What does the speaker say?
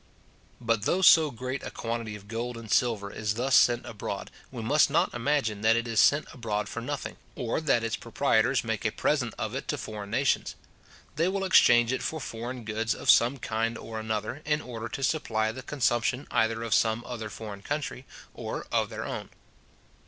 But though so great a quantity of gold and silver is thus sent abroad, we must not imagine that it is sent abroad for nothing, or that its proprietors make a present of it to foreign nations. They will exchange it for foreign goods of some kind or another, in order to supply the consumption either of some other foreign country, or of their own.